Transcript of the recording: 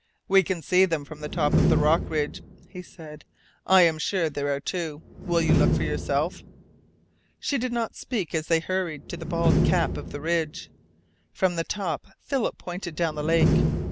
"We can see them from the top of the rock ridge," he said. "I am sure there are two. Will you look for yourself?" She did not speak as they hurried to the bald cap of the ridge. From the top Philip pointed down the lake.